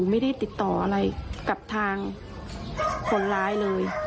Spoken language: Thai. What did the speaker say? ไม่ได้ติดต่ออะไรกับทางคนร้ายเลย